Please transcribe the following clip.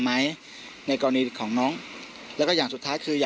มันไม่ใช่แหละมันไม่ใช่แหละ